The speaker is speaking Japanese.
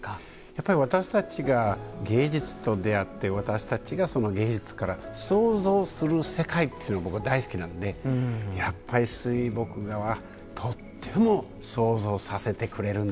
やっぱり私たちが芸術と出会って私たちがその芸術から想像する世界っていうのが僕は大好きなのでやっぱり水墨画はとっても想像させてくれるんですね。